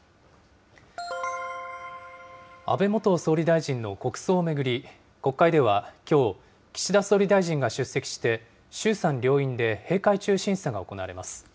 安倍元総理大臣の国葬を巡り、国会ではきょう、岸田総理大臣が出席して、衆参両院で閉会中審査が行われます。